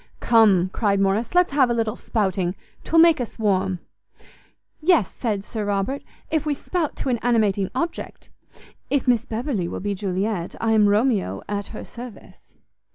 "Come," cried Morrice, "let's have a little spouting; 'twill make us warm." "Yes," said Sir Robert, "if we spout to an animating object. If Miss Beverley will be Juliet, I am Romeo at her service."